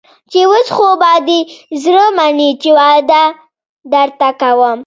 چې اوس خو به دې زړه مني چې واده درته کوم.